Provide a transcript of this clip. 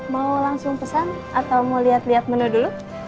mau langsung pesan atau mau lihat lihat menu dulu